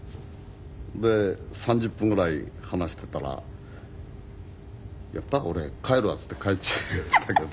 で３０分ぐらい話してたら「やっぱり俺帰るわ」って言って帰っちゃいましたけど。